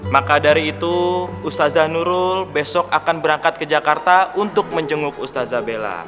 maka dari itu ustazah nurul besok akan berangkat ke jakarta untuk menjenguk ustazabela